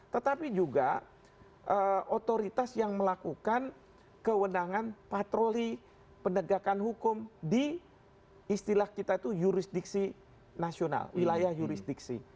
tetapi juga otoritas yang melakukan kewenangan patroli penegakan hukum di istilah kita itu jurisdiksi nasional wilayah jurisdiksi